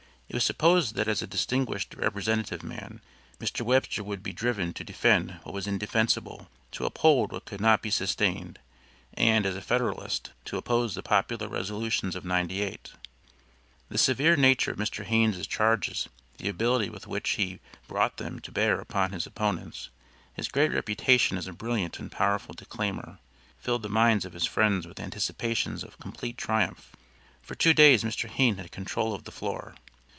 It was supposed that as a distinguished representative man, Mr. Webster would be driven to defend what was indefensible, to uphold what could not be sustained and, as a Federalist, to oppose the popular resolutions of '98. The severe nature of Mr. Hayne's charges, the ability with which he brought them to bear upon his opponents, his great reputation as a brilliant and powerful declaimer, filled the minds of his friends with anticipations of complete triumph. For two days Mr. Hayne had control of the floor.